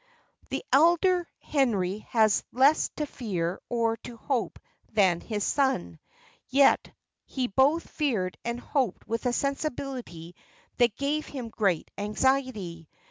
The elder Henry had less to fear or to hope than his son; yet he both feared and hoped with a sensibility that gave him great anxiety.